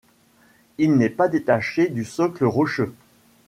Il n’est pas détaché du socle rocheux.